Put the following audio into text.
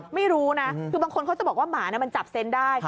ไม่รู้นะคือบางคนเขาจะบอกว่าหมามันจับเซนต์ได้